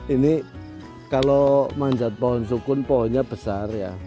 ini kalau manjat pohon sukun pohonnya besar ya